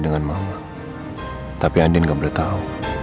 gak boleh tau